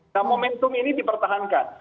nah momentum ini dipertahankan